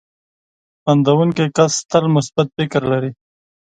• خندېدونکی کس تل مثبت فکر لري.